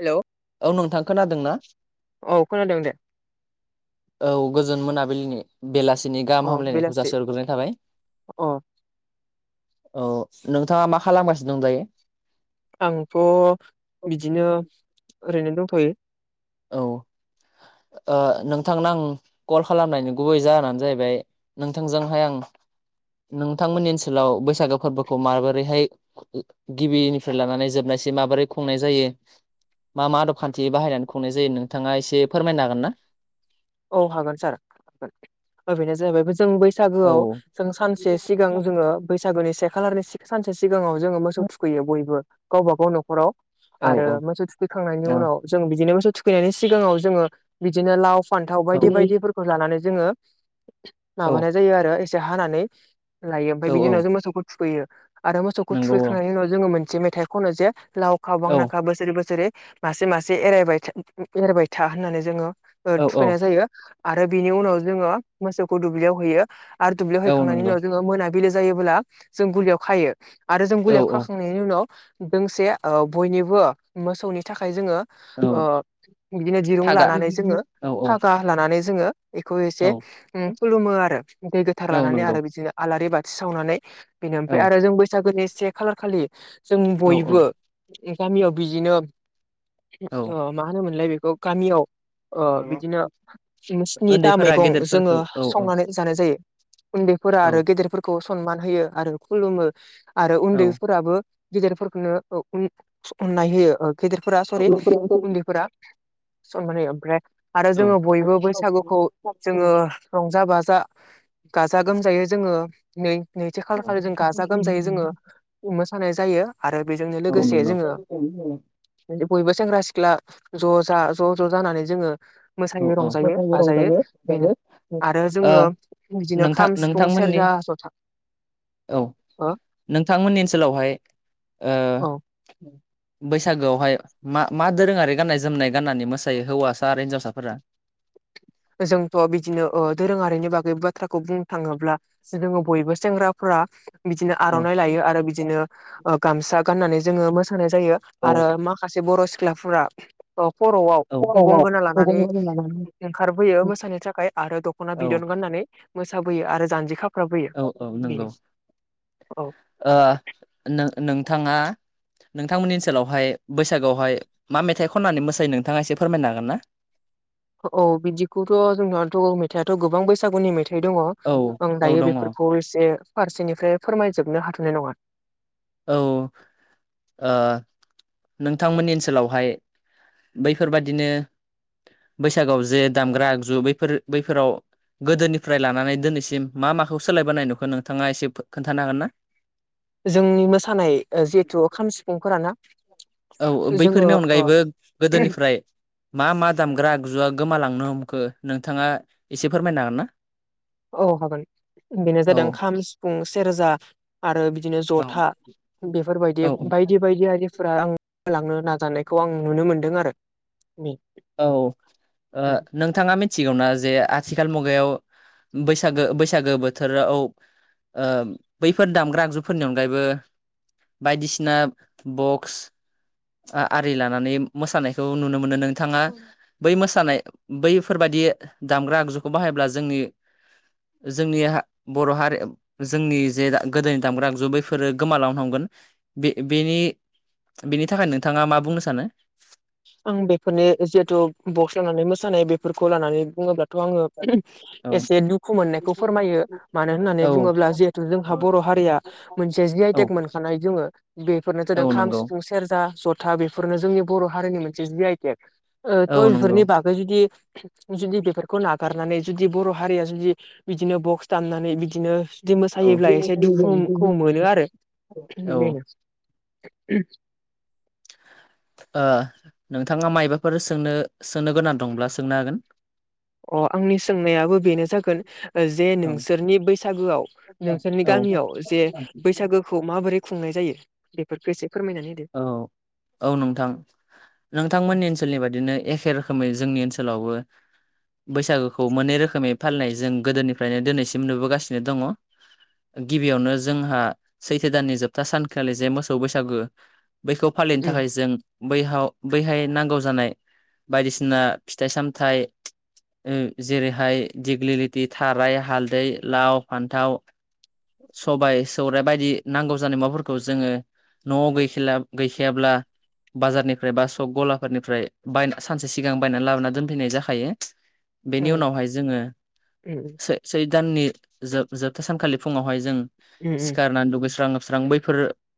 Hello औ नोंथां खोनादोंना? औ खोनादों दे औ गोजोन मोनाबिलिनि बेलासिनि गाहाम औ हामलायनायखौ बेलासि जासेहरग्रोनाय थाबाय। अ औ नोंथाङा मा खालामगासिनो दं दायो? आंथ' बिदिनो ओरैनो दंथ'यो औ ओ नोंथांनो आं कल खालामनायनि गुबै जाहोनानो जाहैबाय नोंथांजोंहाय आं नोंथांमोननि ओनसोलाव बैसागो फोरबोखौ माबोरैहाय गिबिनिफ्राय लानानै जोबनाय सिम माबोरै खुंनाय जायो मा मा आदब खान्थि बाहायनानै खुंनाय जायो नोंथाङा एसे फोरमायनो हागोन ना? औ हागोन सार ओ बेनो जाहैबाय जों औ बैसागोआव जों सानसे सिगां जोङो बैसागोनि से खालारनि सानसे सिगाङाव जोङो मोसौ थुखैयो बयबो गावबागाव न'खराव औ आरो मोसौ थुखैखांनायनि औ उनाव जों बिदिनो मोसौ थुखैनायनि सिगाङाव जोङो बिदिनो लाव फान्थाव औ बायदि बायदिफोरखौ लानानै जोङो औ माबानाय जायो आरो एसे हानानै लायो औ ओमफ्राय बिनि औ उनाव जों मोसौखौ थुखैयो आरो मोसौखौ नंगौ औ थुखैखांनायनि उनाव जोङो मोनसे मेथाइ खनो जे लाव खा औ बांनाखा बोसोरै बोसोरै मासे मासे एरायबाय थ एरायबाय था होननानै जोंङो औ थुखैनाय औ जायो आरो बेनि उनाव जोंङो मोसौखौ दुब्लियाव होयो आरो दुब्लियाव औ हैखांनायनि नंगौ उनाव जोंङो मोना बिलो जायोब्ला जों गलियाव खायो आरो जों औ गलियाव औ खाखांनायनि उनाव दोंसे ओ बयनिबो मोसौनि थाखाय जोंङो औ ओ बिदिनो दिरुं थागा लानानै जोंङो औ लानानै जोंङो बेखौ एसे औ खुलुमो आरो दै गोथार औ लानानै नंगौ आरो बिदिनो आलारि बाथि सावनानै बेनो औ ओमफ्राय आरो जों बैसागोनि से खालार खालि जों औ औ बयबो गामियाव बिदिनो औ मा होनोमोनलाय बेखौ गामियाव ओ बिदिनो स्निथा उन्दैफोरा मैगं जोंङो गेदेरफोरखौ औ औ संनानै जानाय जायो। उन्दैफोरा औ आरो गेदेरफोरखौ सनमान होयो आरो खुलुमो आरो औ उन्दैफोराबो गेदेरफोरखौनो [unintelligible] अननाय होयो गेदेरफोरा सरि उन्दैफोरा सानि माने ओमफ्राय आरो औ जोंङो बयबो बैसागुखौ जोंङो रंजा बाजा गाजा गोमजायोै जोंङो नै नैथि खालार खा जों गाजा गोमजायै जोंङो मोसानाय जायो आरो बेजोंनो औ लोगोसे नंगौ जोंङो बयबो सेंग्रा सिख्ला ज' जा ज' ज' जानानै जोंङो औ मोसायो औ रंजायो बाजायो बेनो आरो ओ जोंङो बिदिनो नोंथां खाम सिफुं नोंथांमोननि सेरजा ज'था औ नोंथांमोननि ओनसोलावहाय ओ बैसागोआवहाय मा मा दोरोंङारि गाननाय जोमनाय गाननानै मोसायो हौवासा आरो हिनजावसा फोरा? जोंथ' बिदिनो ओ दोरोङारिनि बागै बाथ्राखौ बुंनो थाङोब्ला जोंङो बयबो सेंग्राफोरा बिदिनो औ आर'नाइ लायो आरो बिदिनो गामसा गाननानै जोंङो मोसा नाय जायो औ आरो माखासे बर' सिख्लाफोरा ओ खर'आव औ गगं गोना लानानै फैयो मोसानो थाखाय आरो दख'ना औ बिदन गाननानै मोसाबोयो आरो जानजि खा औ औ नंगौ औ ओ नों-नोंथाङा नोंथांमोननि ओनसोलावहाय बैसागोआवहाय मा मेथाइ खननानै मोसायो नोंथाङा एसे फोरमायनो हागोन ना। [inaudible] औ बिदिखौथ' जोंनियावथ' मेथाइआथ' गोबां बैसागुनि मेथाइ दङ औ आं औ दायो दङ औ बेफोरखौ इसे फारसेनिफ्राय फोरमायजोबनो हाथ'नाय नंङा औ ओ नोंथांमोननि ओनसोलावहाय बैफोरबादिनो बैसागोयाव जे दामग्रा आगजु बैफोर बैफोराव गोदोनिफ्राय लानानै दिनैसिम मा माखौ सोलायबोनाय नुखौ नोंथाङा एसे खोन्थानो हागोन ना? [inaudible] जोंनि मोसानाय जिहेथु खाम सिफुंफोराना औ जोङो बैफोरनि ओ अनगायैबो गोदोनिफ्राय मा मा दामग्रा आगजुवा गोमालांनो हमखो नोंथाङा एसे फोरमायनो हागोन ना? औ हागोन बेनो औ जादों खाम सिफुं सेरजा आरो बिदिनो औ ज'था। बेफोरबायदि औ बायदि बायदि आरिफोरा आं होलांनो नाजानायखौ आं नुनो मोनदों आरो। औ ओ नोंथाङा मिथिगौना जे आथिखाल मुगायाव बैसागो बैसागो बोथोराव ओ बैफोर दामग्रा आगजुफोरनि अनगायैबो बायदिसिना बक्स आरि लानानै मोसानायखौ नुनो मोनो नोंथाङा बै मोसानाय बैफोरबादि दामग्रा आगजुखौ बाहायोब्ला जोंनि जोंनि बर' हारि जोंनि जे गोदोनि दामग्रा आगजु बैफोरो गोमालांनो हमगोन। बे बेनि थाखाय नोंथाङा मा बुंनो सानो? आं बेफोरनि जिहेथु बक्स लानानै मोसानाय बेफोरखौ लानानै बुङोब्ला थ' आङो औ एसे दुखु मोननायखौ फोरमायो मानो होननानै औ बुङोब्ला जिहेथु जोंहा बर' हारि या मोनसे जि आइे औ मोनखानाय दङ बेफोरनो जादों औ खाम नंगौ सिफुं सेरजा ज था बेफोरनो जोंनि बर' हारिनि मोनसे जि आइ टेक ओ औ थ' नंगौ बेफोरनि बागै जुदि जुदि बेफोरखौ नागारनानै जुदि बर' हारिया जुदि बिदिनो बक्स दामनानै बिदिनो जुदि औ मोसायोब्ला एसे दुखुखौ मोनो आरो औ बेनो। ओ उ [unintelligible] ओ नोंथाङा मायबाफोर सोंनो सोंनो गोनां दंब्ला सोंनो हागोन। अ आंनि सोंनायाबो बेनो जागोन जे औ नोंसोरनि बैसागोआव नोंसोरनि गा औ मियाव जे बैसागोखौ माबोरै खुंनाय जायो बेफोरखौ एसे फोरमायनानै होदो औ औ नोंथां नोंथांमोननि ओनसोलनि बादिनो एखे रोखोमै जोंनि ओनसोलावबो बैसागोखौ मोननै रोखोमै फालिनाय जों गोदोनिफ्रायनो दिनैसिम नुबोगासिनो दङ। गिबियावनो जोंहा सैथो दाननि जोबथा सानखालि जे मोसौ बैसागो बैखौ फालिनो उम थाखाय जों बैहाव बैहाय नांगौ जानाय बायदिसिना फिथाइ सामथाइ ओ जेरैहाय दिग्लिलिथि थाराय हालदै लाव फान्थाव सबाय सौराय बायदि नांगौ जानाय माबाफोरखौ जोङो न'आव गै खिला गैखायाब्ला बाजारनिफ्राय बा सक गलाफोरनिफ्राय बाय सानसे सिगां बायनानै लाबोना दोनफैनाय जाखायो। बेनि उनावहाय जोङो उम सै सै दाननि जोबथा सानखालि फुङावहाय जों उम सिखारनानै दुगैस्रां लोब लोबस्रां बैफोर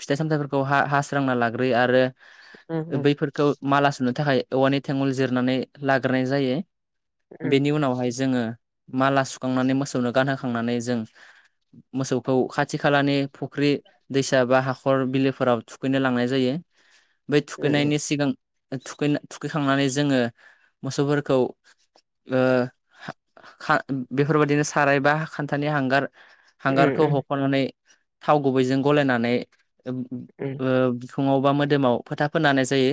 फिथाइ सामथाइफोरखौ हास्रांना लाग्रोयो आरो उम बैफोरखौ माला सुनो थाखाय औवानि थेंगुल जिरनानै लाग्रोनाय जायो। उम बेनि उनावहाय जोङो माला सुखांनानै मोसौनो गानहोखांनानै जों मोसौखौ खाथि खालानि फुख्रि दैसा बा हाखर बिलोफोरा थु थुखैनो लांनाय जायो बै उम थुखैनायनि सिगां थुखै थुखैखांनानै जोङो मोसौफोरखौ ओ बेफोरबायदिनो साराय बा खान्थानि हांगार हांगारखौ उम हख'नानै थाव गुबैजों गलायनानै उम फिकुङाव बा मोदोमाव फोथा फोननाय जायो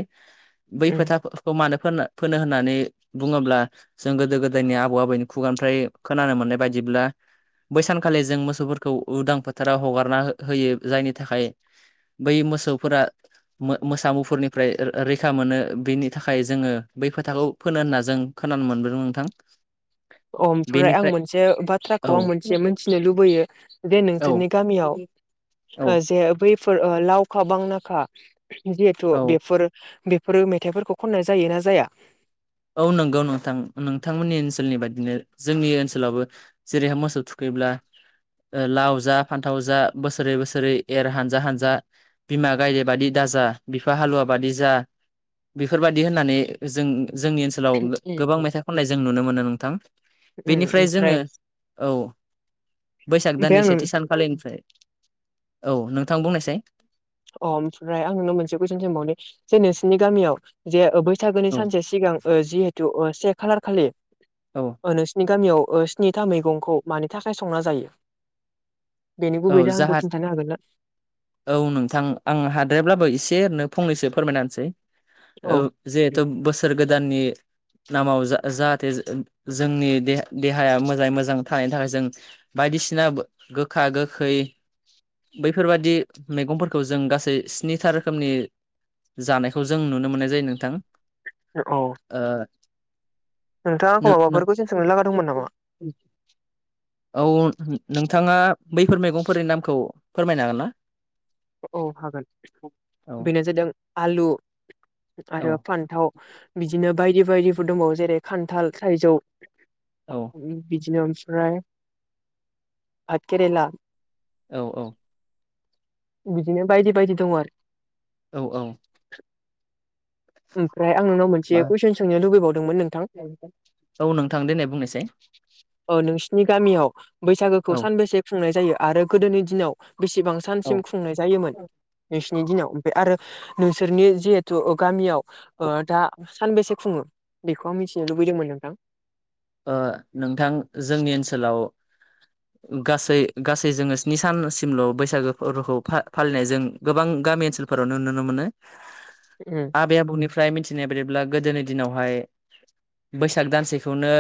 बै उम फोथा मानो फोनो होननानै बुङोब्ला जों गोदो गोदायनि आबौ आबौनि खुगानिफ्राय खोनानो मोननाय बायदि ब्ला बैसानखालि जों मोसौफोरखौ उदां फोथाराव हगारना होयो जायनि थाखाय बै मोसौफोरा मोसामुफोरनिफ्राय रैखा मोनो बेनि थाखाय जोङो बै फोथाखौ फोनो होनना जों खोनानो मोनबोदों नोंथां अ ओमफ्राय आं बेनिफ्राय मोनसे औ बाथ्राखौ आं मोनसे मिथिनो लुबैयो दे औ नोंसोरनि गामियाव औ जे बैफोर लावखा बांनाखा जिहेथु औ बेफोर बे फोरो मेथाइफोरखौ खननाय जायोना जाया? औ नंगौ नोंथां नोंथांमोननि ओनसोलनि बाददिनो जोंनि ओनसोलावबो जेरैहाय मोसौ थुखै ब्ला लाव जा फान्थाव जा बोसोरै बोसोरै एर हानजा हानजा बिमा गायदे बायि दा बि हाल जा बिफा हालुवा बादि जा बेफोर बादि होन्नानै जों जोंनि ओनसोलाव उम गोबां उम मेथाइ खननाय जों नुनो मोनो नोंथां उम बेनिफ्राय ओमफ्राय जोङो औ बैसाग दाननि ओमफ्राय सेथि आं सानखालिनिफ्राय औ नोंथां बुंनायसाय। अ ओमफ्राय आं नोंनो मोनसे कुइसन सोंबावनि जे नोंसिनि गामियाव जेै बैसागोनि औ सानसे सिगांनो ओ जिहेतु ओ से खालार खालि औ नोंनि गामियाव ओ स्निथा मैगंखौ मानि थाखाय संना जायो बेनि गुबै औ जाहा जाहोनखौ खिन्थानो हागोन ना औ नोंथां आं हाद्राय्लाबो एसे ओरैनो फंनैसो फोरमायना होनसै ओ औ जिहेथु बोसो र‌ गोदाननि नामाव जा-जाहाथे जोंनि दे-देहाया मोजाङै मोजां थानायनि थाखाय जों बाय दिसिना गोखा गोखै बैफोरबादि मैगंफोरखौ जों गासै स्निथा रोखोमनि जानायखौ जों नुनो मोननाय जायो नोंथां ओ औ ओ नोंथाङा आंखौ नों नों माबाफोर क्यिसन सोंनो लागा दंमोन नामा औ नोंथाङा बैफोर मैगंफोरनि नामखौ फोरमायनो हागोन ना औ हागोन औ बेनो जादों आलु औ आरो फान्थाव बिदिनो बायदि बायदिफोर दबो जेरै खान्थाल थाइजौ औ बिदिनो फ्राय भाद केेरला औ औ बिदिनो बायदि बायदि दङ आरो औ औ ओमफ्राय आं नोंनाव मोनसे औ कुइसन सोंनो लुबैबावदोंमोन नोंथां औ नोंथां देनाय बुंनायसाय औ नोंसिनि गामियाव बैसागोखौ औ सानबेसे खुंनाय जायो आरो गोदोनि दिनाव बेसेबां औ सानसिम खुंनाय जायोमोन [unintelligible] नि दिनाव बे आरो नोंसोरनि जिहेथु गामियाव ओ दा सानबेसे खुङो बेखौ आं मिथिनो लुबैदोंमोन नोंथां ओ नोंथां जोंनि ओनसोलाव ओ गासै‌ गासै जोङो स्नि सानसिमल' बैसागो फोरखौ फा-फालिनायजों गोबां गामि नि ओन्सोलफोरावनो नुनो मोनो उम आबै आबौनिफ्राय मिथिनाय बादिब ब्ला गोदोनि दिनावहाय बैसाग दानसेखौनो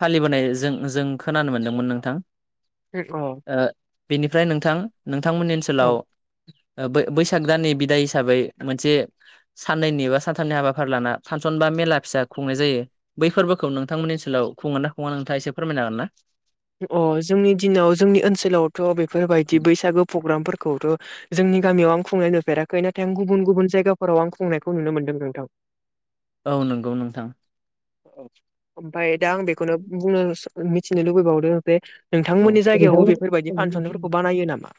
फालिबोनाय जों जों खोनानो मोनदोंमोन नोंथां। ए अ ओ बेनिफ्राय नोंथां नोंथांमोननि अ ओनसोलाव ओ बै-बैसाग दाननि बिदाय हिसाबै मोनसे साननैनि बा सानथामनि हाबाफारि लाना फानसन सन बा मेला फिसा खुंनाय जायो बै फोरबोख खौ नोथांमोननि ओनसोलाव खुङो ना खुङा नोंथाङा एसे फोरमायनो हागोन ना? अ जोंनि दिनाव जोंनि ओनसोलावथ' बेफोरबायदि बैसागो पग्रामफोरखौथ' जों नि गामियाव आं खुंनाय नुफेराखै नाथाय आं गुबुन गुबुन जायगाफोराव आं खुंनायखौ नुनो मोनदों नोंथां। औ नोंगौ नोंथां। ओ ओमफाय दा आं बेखोनो बुंनोस मिथिनो लुबैबावदों जे औ नोंथांमोननि जायगायावबो बेफोरबायदि फानसनिफोरखौ बानायो नामा?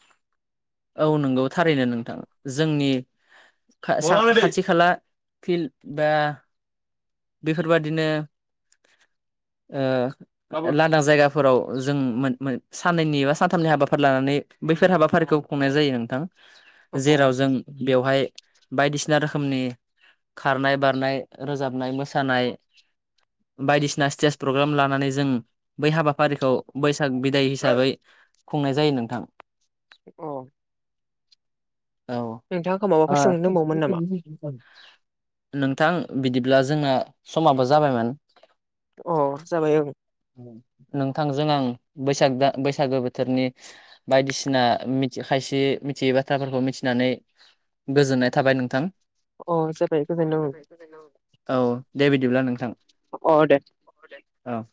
औ नोंगौ थारैनो नोंथां जोंनि [inaudible] खा सा खाथि खाला फिल बा बेफोरबादिनो ओ बाबु लान्दां जायगाफोराव जों मोन मो साननैनि बा सानथामनि हाबाफारि लानानै बैफोर हाबाफारिखौ खुंनाय जायो नोंथां अ जेराव जों बेवहाय बायदिसि सिना रोखोमनि खारनाय बारनाय रोजाबनाय मोसानाय बायदिसिना स्टेज प्रग्राम लानानै जों बै हाबाफारिखौ बैसाग बिदाय हिसाबै खुंनाय जायो नोंथां। अ औ नोंथाङा आंखौ माबाफोर सोंनो ओ दंबावोमोन नामा [unintelligible] नोंथां बिदिब्ला जोंना समाबो जाबायमोन। अ जाबाय ओं अ नोंथांजों आं बैसाग दा बैसागो बोथोरनि बायदिसिना मिथ जे खायसे मिथियै बाथ्राफोरखौ मिथिनानै गोजोननाय थाबाय नोंथां। अ जाबाय अ गोजोनदों जेरै जेरै न औ दे बिदिब्ला नोंथां ओं अ दे अ दे अ